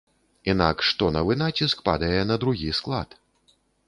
Інакш тонавы націск падае на другі склад.